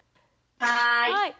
はい。